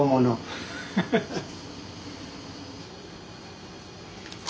フッフフフ。